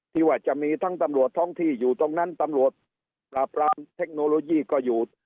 ที่ว่าจะมีทั้งตำรวจท้องที่อยู่ตรงนั้นตำรวจปราบรามเทคโนโลยีก็อยู่